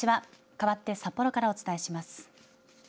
かわって札幌からお伝えします。